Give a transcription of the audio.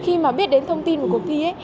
khi mà biết đến thông tin của cuộc thi ấy